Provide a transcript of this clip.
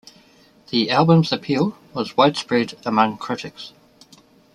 The album's appeal was widespread among critics.